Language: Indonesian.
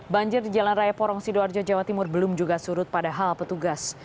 banjir di jalan raya porong sidoarjo jawa timur belum juga surut padahal petugas